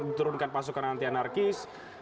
diturunkan pasukan anti anarkis